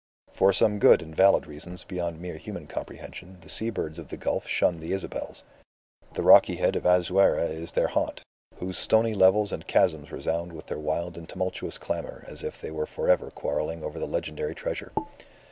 For some good and valid reasons beyond mere human comprehension, the sea birds of the gulf shun the Isabels. The rocky head of Azuera is their haunt, whose stony levels and chasms resound with their wild and tumultuous clamour as if they were for ever quarrelling over the legendary treasure.